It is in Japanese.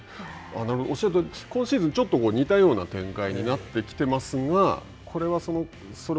おっしゃるとおり、今シーズン、ちょっと似たような展開になってきていますが。